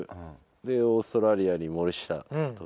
オーストラリアに森下投手。